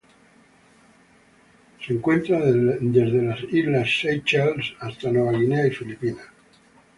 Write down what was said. Se encuentra desde las Seychelles hasta Nueva Guinea y Filipinas.